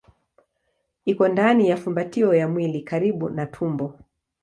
Iko ndani ya fumbatio ya mwili karibu na tumbo.